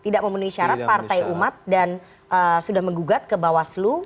tidak memenuhi syarat partai umat dan sudah menggugat ke bawaslu